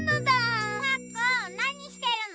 パックンなにしてるの？